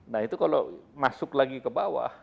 nah itu kalau masuk lagi ke bawah